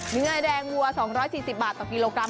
เนื้อแดงวัว๒๔๐บาทต่อกิโลกรัม